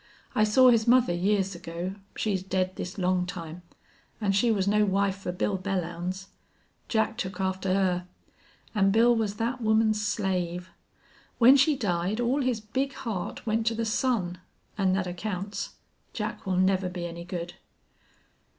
I saw his mother years ago she's dead this long time an' she was no wife fer Bill Belllounds. Jack took after her. An' Bill was thet woman's slave. When she died all his big heart went to the son, an' thet accounts. Jack will never be any good."